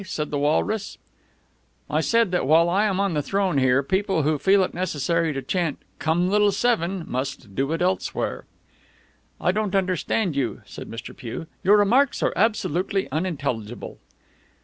said the walrus. "I said that, while I am on the throne here, people who feel it necessary to chant 'Come, little seven!' must do it elsewhere." "I don't understand you," said Mr. Pugh. "Your remarks are absolutely unintelligible."